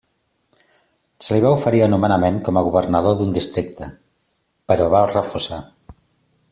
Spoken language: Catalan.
Se li va oferir el nomenament com a governador d'un districte però va refusar.